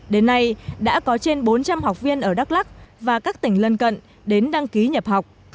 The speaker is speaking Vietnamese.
đến nay đã có trên bốn trăm linh học viên ở đắk lắc và các tỉnh lân cận đến đăng ký nhập học